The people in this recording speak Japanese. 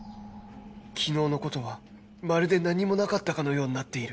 昨日の事はまるで何もなかったかのようになっている